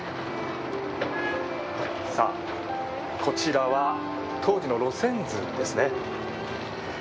こちらは当時の路線図ですね。